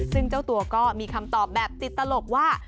ซึ่งเจ้าตัวก็มีคำตอบแบบติดตลกว่า